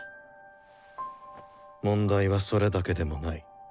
問題はそれだけでもない。